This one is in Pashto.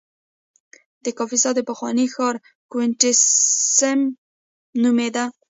د کاپیسا د پخواني ښار کوینټیسیم نومېده